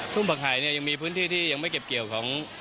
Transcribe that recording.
่งผักหายเนี่ยยังมีพื้นที่ที่ยังไม่เก็บเกี่ยวของ